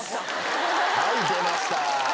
はい、出ました。